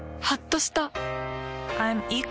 はっとした。